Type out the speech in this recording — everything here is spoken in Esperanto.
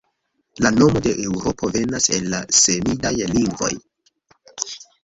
La nomo de Eŭropo venas el la semidaj lingvoj.